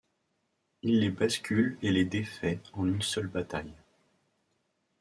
Il les accule et les défait en une seule bataille.